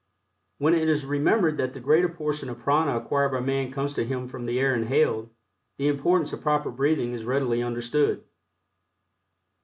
When it is remembered that the greater portion of prana acquired by man comes to him from the air inhaled, the importance of proper breathing is readily understood.